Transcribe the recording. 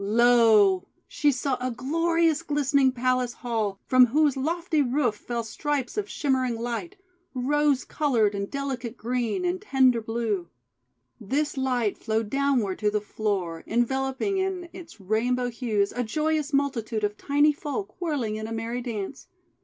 Lo! she saw a glorious glistening palace hall from whose lofty roof fell stripes of shimmering light, rose coloured, and delicate green, and tender blue. This light flowed downward to the floor, en veloping in its rainbow hues a joyous multitude of tiny folk, whirling in a merry dance.